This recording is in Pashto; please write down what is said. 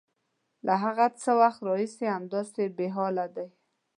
_له څه وخته راهيسې همداسې بېحاله دی؟